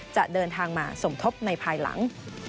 จะเดินทางมาสมทบในภายหลัง